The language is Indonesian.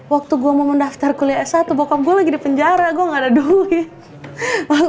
waktu gue mau mendaftar kuliah s satu bokap gue lagi di penjara gue gak ada duit